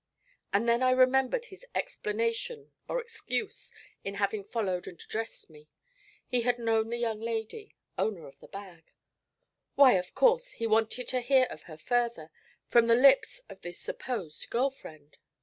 And then I remembered his explanation or excuse in having followed and addressed me. He had known the young lady owner of the bag. Why, of course he wanted to hear of her further, from the lips of this supposed girl friend.